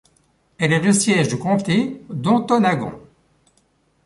Elle est le siège du comté d'Ontonagon.